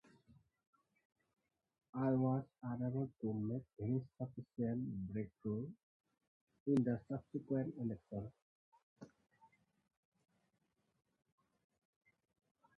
It was unable to make any significant breakthrough in the subsequent elections.